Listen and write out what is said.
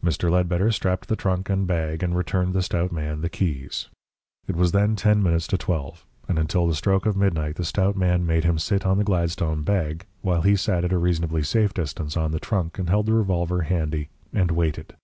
Mr. Ledbetter strapped the trunk and bag, and returned the stout man the keys. It was then ten minutes to twelve, and until the stroke of midnight the stout man made him sit on the Gladstone bag, while he sat at a reasonably safe distance on the trunk and held the revolver handy and waited.